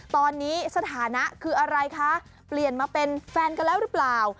ตอนนี้สถานะคืออะไรคะเปลี่ยนมาเป็นแฟนกันแล้วหรือเปล่า